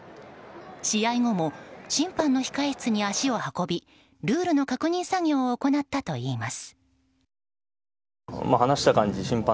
試合後も審判の控室に足を運びルールの確認作業を行ったといいます。